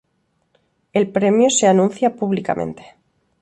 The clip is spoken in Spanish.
Él premio se anuncia públicamente.